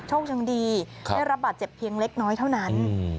โชคดีได้รับบาดเจ็บเพียงเล็กน้อยเท่านั้น